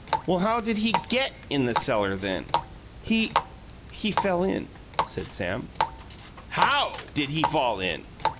"Well, how did he GET in the cellar, then?" "He he fell in," said Sam. "HOW did he fall in?"